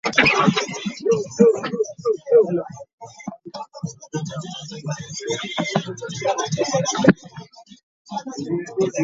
Mu mbaawo bakolamu entebe, emmeeza ne bilala.